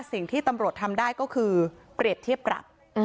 สิ่งที่ตำรวจทำได้ก็คือเปรียบเทียบปรับ